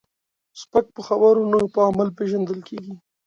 سپک په خبرو نه، په عمل پیژندل کېږي.